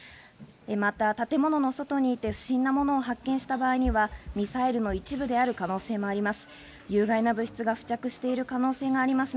また、建物の外に行って不審な物を発見した場合にはミサイルの一部である可能性もあります。